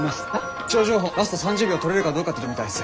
気象情報ラスト３０秒取れるかどうかってとこみたいです。